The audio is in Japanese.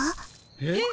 えっ？